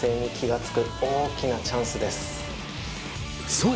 そう！